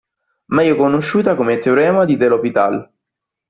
Meglio conosciuta come Teorema di de l'Hôpital.